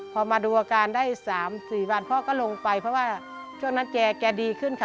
พอมาดูอาการได้๓๔วันพ่อก็ลงไปเพราะว่าช่วงนั้นแกดีขึ้นค่ะ